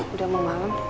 udah mau malem